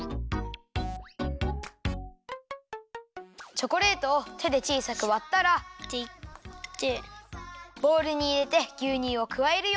チョコレートをてでちいさくわったらボウルにいれてぎゅうにゅうをくわえるよ。